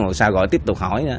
ngồi xa gọi tiếp tục hỏi